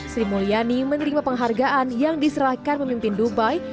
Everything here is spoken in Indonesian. sri mulyani menerima penghargaan yang diserahkan pemimpin dubai